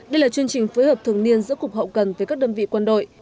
đây là chương trình phối hợp thường niên giữa cục hậu cần với các đơn vị quân đội